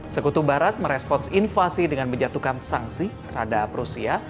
sekutu barat merespons invasi dengan menjatuhkan sanksi terhadap rusia